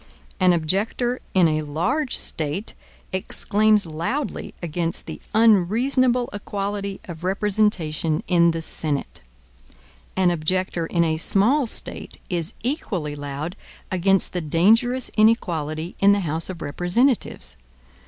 An objector in a large State exclaims loudly against the unreasonable equality of representation in the Senate. An objector in a small State is equally loud against the dangerous inequality in the House of Representatives.